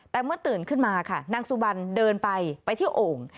แต่เมื่อตื่นขึ้นมาค่ะนางสุบันเดินไปไปที่โอ่ง